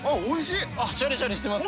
シャリシャリしてます。